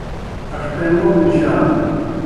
ان٘ݜٹیموگوْ مُشا۔